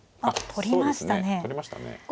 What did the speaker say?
あっ取りましたね。